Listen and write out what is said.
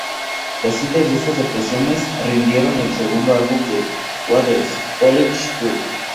Las cintas de esas actuaciones rindieron el segundo álbum de Waters, "College Tour".